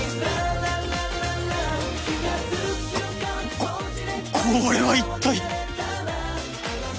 こここれは一体